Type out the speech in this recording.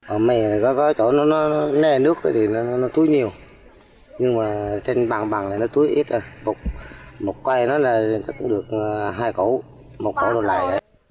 ở mề có chỗ nó nè nước thì nó thối nhiều nhưng mà trên bằng bằng này nó thối ít một cây nó là cũng được hai cấu một cấu là lại